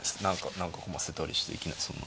何か駒捨てたりしていきなりそんな。